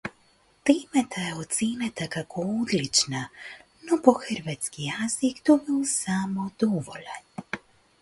Темата е оценета како одлична, но по хрватски јазик добил само доволен.